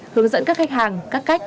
hướng dẫn các khách hàng các cách